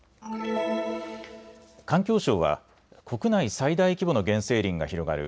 環境省は国内最大規模の原生林が広がる